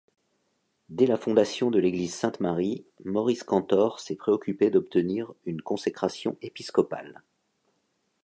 Dès la fondation de l'Église Sainte-Marie, Maurice Cantor s'est préoccupé d'obtenir une consécration épiscopale.